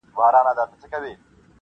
کرښه د باندي ایستلې چا ده-